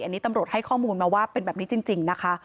อันนี้ตำรวจให้ข้อมูลมาว่าเป็นแบบนี้จริงนะคะ